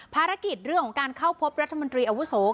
ภารกิจเรื่องของการเข้าพบรัฐมนตรีอาวุโส